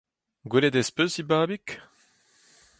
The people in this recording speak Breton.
Gwelet ez peus he babig ?